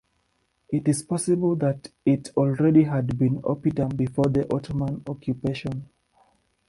It is possible that it already had been oppidum before the Ottoman occupation.